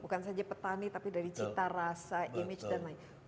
bukan saja petani tapi dari cita rasa image dan lain lain